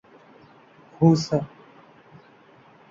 Hausa